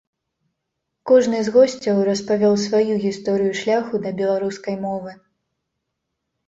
Кожны з госцяў распавёў сваю гісторыю шляху да беларускай мовы.